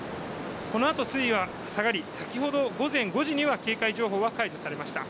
このあと水位は下がり、先ほど５時には警戒情報が解除されました。